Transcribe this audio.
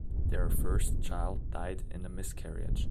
Their first child died in a miscarriage.